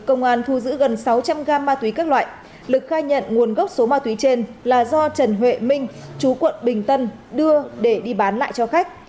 công an thu giữ gần sáu trăm linh gam ma túy các loại lực khai nhận nguồn gốc số ma túy trên là do trần huệ minh chú quận bình tân đưa để đi bán lại cho khách